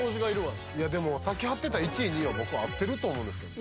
いやでもさっきはってた１位２位は僕は合ってると思うんですけどね